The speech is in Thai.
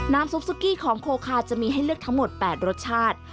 ซุปซุกี้ของโคคาจะมีให้เลือกทั้งหมด๘รสชาติ